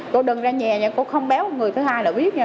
cô đừng ra nhà cô không béo người thứ hai là biết